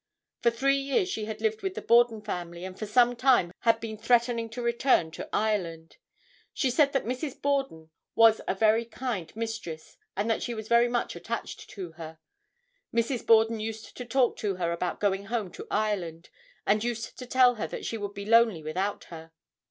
For three years she had lived with the Borden family and for some time had been threatening to return to Ireland. She said that Mrs. Borden was a very kind mistress and that she was very much attached to her. Mrs. Borden used to talk to her about going home to Ireland, and used to tell her that she would be lonely without her.